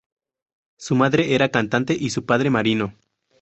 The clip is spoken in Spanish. Su madre era cantante y su padre marino.